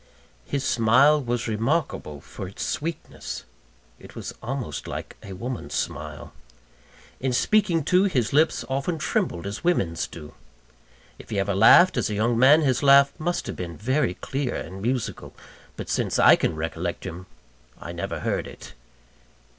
His smile was remarkable for its sweetness it was almost like a woman's smile. In speaking, too, his lips often trembled as women's do. If he ever laughed, as a young man, his laugh must have been very clear and musical; but since I can recollect him, I never heard it.